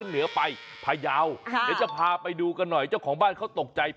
เหนือไปพยาวเดี๋ยวจะพาไปดูกันหน่อยเจ้าของบ้านเขาตกใจ